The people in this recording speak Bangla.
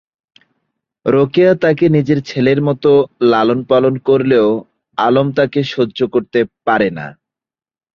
রোকেয়া তাকে নিজের ছেলের মত লালন পালন করলেও আলম তাকে সহ্য করতে পারে না।